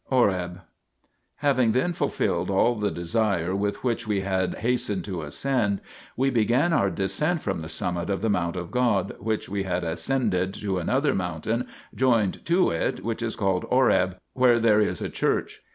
HOREB Having then fulfilled all the desire with which we had hastened to ascend, we began our descent from the summit of the mount of God which we had ascended to another mountain joined to it, which is called Horeb, where there is a church.